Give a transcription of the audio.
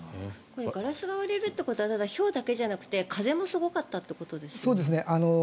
ガラスが割れるということはひょうだけじゃなくて風もすごかったということですよね。